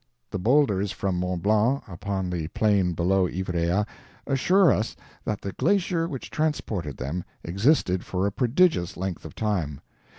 "The boulders from Mont Blanc, upon the plain below Ivrea, assure us that the glacier which transported them existed for a prodigious length of time.